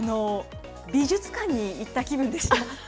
美術館に行った気分でした。